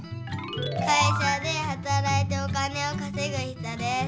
会社ではたらいてお金をかせぐ人です。